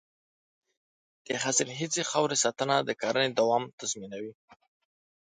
د حاصلخیزې خاورې ساتنه د کرنې دوام تضمینوي.